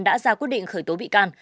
đã ra quyết định khởi tố bị can